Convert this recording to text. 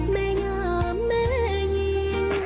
ไม่งามไม่ยิ่ง